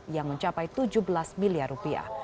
yang mencapai tujuh belas miliar rupiah